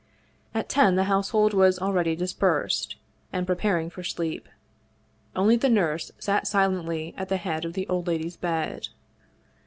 At ten the household was already dispersed, and preparing for sleep. Only the nurse sat silently at the head of the old lady's bed.